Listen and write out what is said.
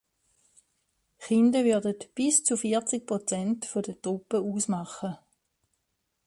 Kinder würden bis zu vierzig Prozent der Truppen ausmachen.